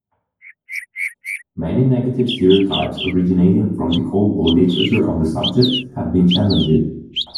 Many negative stereotypes originating from the cold-war literature on the subject have been challenged.